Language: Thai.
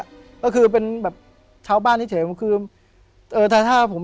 ก็คือเป็นแบบชาวบ้านเฉยผมคือเออถ้าถ้าผม